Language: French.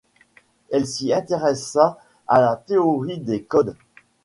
Elle s'y intéressa à la théorie des codes.